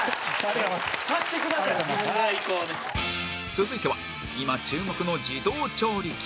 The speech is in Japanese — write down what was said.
続いては今注目の自動調理器